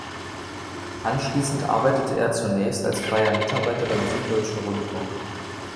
Anschließend arbeitete er zunächst als freier Mitarbeiter beim Süddeutschen Rundfunk.